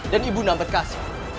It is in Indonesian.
dan ibu nda berkasi